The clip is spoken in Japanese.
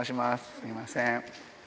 すみません。